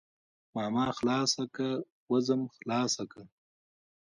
ماما خلاصه که وځم خلاصه که.